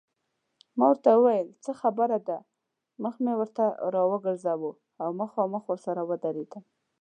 ما ورته وویل څه خبره ده، مخ مې ورته راوګرځاوه او مخامخ ورسره ودرېدم.